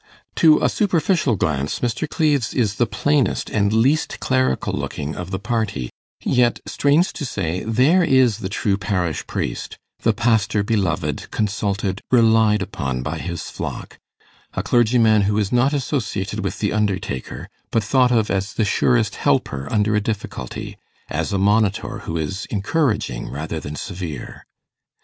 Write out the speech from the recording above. To a superficial glance, Mr. Cleves is the plainest and least clerical looking of the party; yet, strange to say, there is the true parish priest, the pastor beloved, consulted, relied on by his flock; a clergyman who is not associated with the undertaker, but thought of as the surest helper under a difficulty, as a monitor who is encouraging rather than severe.